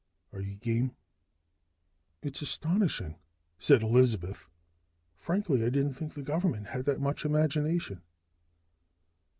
Are you game?" "It's astonishing," said Elizabeth. "Frankly, I didn't think the government had that much imagination."